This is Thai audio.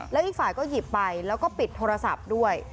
แล้วอีกฝ่ายก็หยิบไปแล้วก็ปิดโทรศัพท์ด้วย